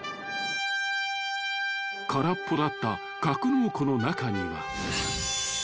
［空っぽだった格納庫の中には］